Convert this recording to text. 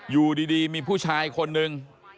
อยู่ดีมีผู้ชายคนนึง